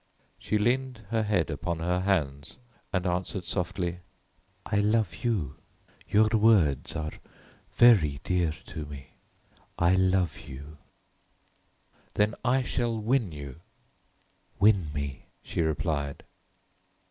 She leaned her head upon her hands, and answered softly, "I love you. Your words are very dear to me. I love you." "Then I shall win you." "Win me," she replied.